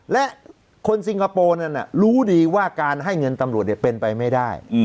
และคนซิงคโปร์นั้นรู้ดีว่าการให้เงินตำรวจเป็นไปไม่ได้